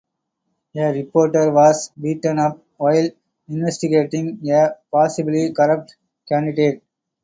A reporter was beaten up while investigating a possibly corrupt candidate.